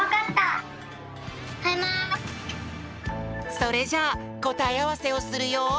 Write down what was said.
それじゃあこたえあわせをするよ。